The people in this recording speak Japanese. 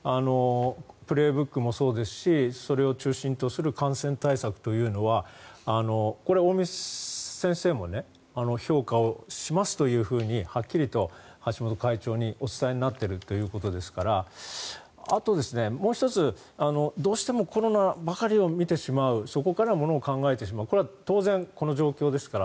「プレーブック」もそうですしそれを中心とする感染対策というのはこれは尾身先生も評価をしますというふうにはっきりと橋本会長にお伝えになっているということですからあと、もう１つ、どうしてもコロナばかりを見てしまうそこから、ものを考えてしまうこれは当然、この状況ですから。